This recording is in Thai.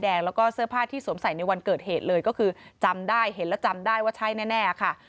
แล้วก็เสื้อผ้าที่สวมใส่ในวันเกิดเหตุเลยก็คือจำได้เห็นแล้วจำได้ว่าใช่แน่ค่ะ